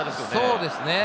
そうですね。